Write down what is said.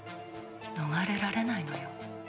逃れられないのよ